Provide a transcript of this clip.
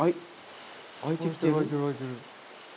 開いてきてる。